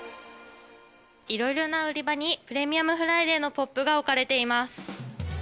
いろいろな売り場にプレミアムフライデーのポップが置かれています。